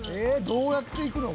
どうやって行くの？